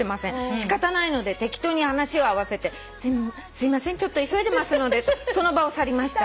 「仕方ないので適当に話を合わせてすいませんちょっと急いでますのでとその場を去りました。